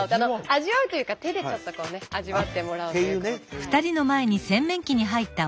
味わうというか手でちょっとこうね味わってもらおうって。